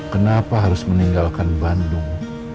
kenapa harus meninggalkan bandung